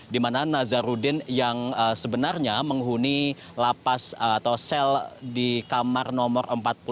di mana nazarudin yang sebenarnya menghuni lapas atau sel di kamar nomor empat puluh